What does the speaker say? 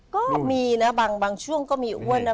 ก็มีนะบางช่วงก็มีอ้วนนะ